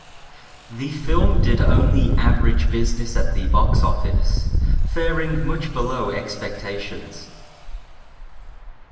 The film did only average business at the box office, faring much below expectations.